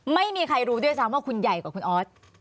ไม่มีใครรู้ด้วยซ้ำว่าคุณใหญ่กว่าคุณออส